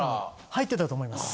入ってたと思います。